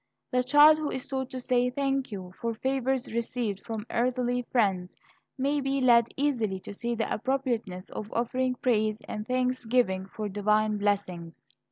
The child who is taught to say "thank you" for favors received from earthly friends, may be led easily to see the appropriateness of offering praise and thanksgiving for divine blessings.